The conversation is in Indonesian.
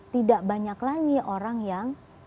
tidak banyak lagi orang yang